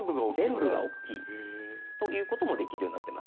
全部がおっきい。ということもできるようになってます。